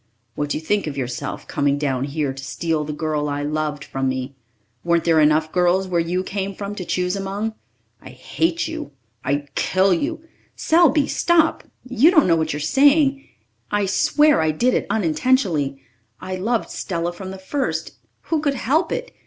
"What do you think of yourself, coming down here to steal the girl I loved from me? Weren't there enough girls where you came from to choose among? I hate you. I'd kill you " "Selby, stop! You don't know what you are saying. If I have wronged you, I swear I did it unintentionally. I loved Stella from the first who could help it?